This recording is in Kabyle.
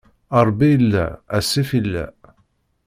Ṛebbi illa, asif illa.